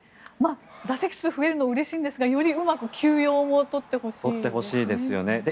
打席数が増えるのはうれしいんですがよりうまく休養も取ってほしいですよね。